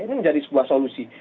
ini menjadi sebuah solusi